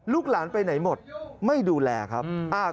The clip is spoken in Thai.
ลูกหลานไปไหนหมดไม่ดูแลครับ